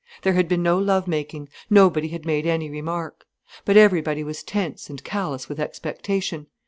There had been no love making, nobody had made any remark. But everybody was tense and callous with expectation.